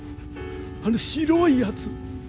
あの白いやつ。